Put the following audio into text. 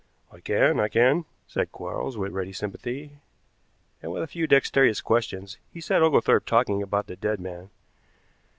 "I can, I can," said Quarles, with ready sympathy, and with a few dexterous questions he set Oglethorpe talking about the dead man.